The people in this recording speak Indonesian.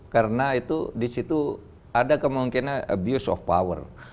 karena itu di situ ada kemungkinan abuse of power